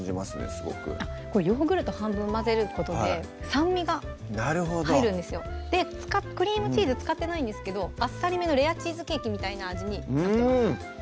すごくヨーグルト半分混ぜることで酸味が入るんですよでクリームチーズ使ってないんですけどあっさりめのレアチーズケーキみたいな味になってます